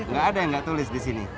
tidak ada yang tidak tulis di sini